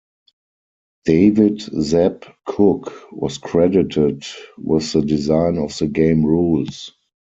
David "Zeb" Cook was credited with the design of the game rules.